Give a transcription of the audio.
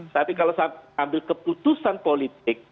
tapi kalau ambil keputusan politik